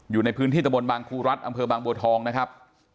อยู่ในพื้นที่ตำรวจส่งบางคลูรัฐบังบัวทองนะครับ